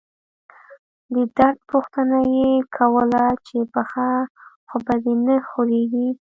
د درد پوښتنه يې کوله چې پښه خو به دې نه خوږيږي.